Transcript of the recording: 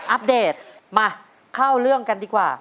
อัปเดตมาเข้าเรื่องกันดีกว่า